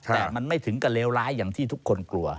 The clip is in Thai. แต่มันไม่ถึงกับเลวร้ายอย่างที่ทุกคนกลัว